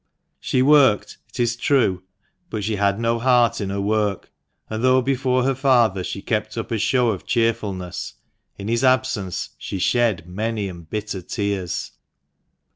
She worked, it is true, but she had no heart in her work ; and though before her father she kept up a show of cheerfulness, in his absence she shed many and bitter tears.